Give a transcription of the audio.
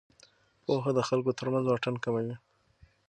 پوهه د خلکو ترمنځ واټن کموي.